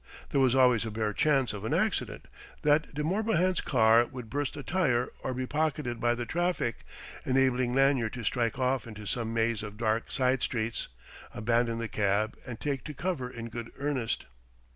There was always a bare chance of an accident that De Morbihan's car would burst a tire or be pocketed by the traffic, enabling Lanyard to strike off into some maze of dark side streets, abandon the cab, and take to cover in good earnest.